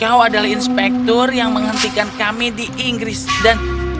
kau adalah inspektur yang menghentikan kami di inggris dan